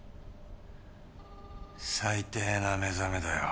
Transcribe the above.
最低な目覚めだよ。